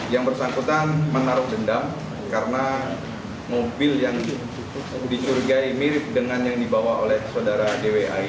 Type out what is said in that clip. yang bersangkutan menaruh dendam karena mobil yang dicurigai mirip dengan yang dibawa oleh saudara dwa